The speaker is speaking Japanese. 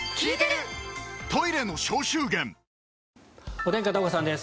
お天気、片岡さんです。